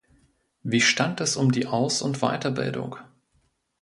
Wie stand es um die Aus- und Weiterbildung?